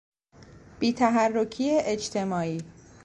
بیتحرکی اجتماعی